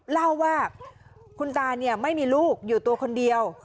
เล่าว่าคุณตาเนี่ยไม่มีลูกอยู่ตัวคนเดียว